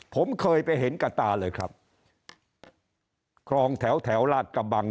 ผมเคยไปเห็นกับตาเลยครับคลองแถวแถวลาดกระบัง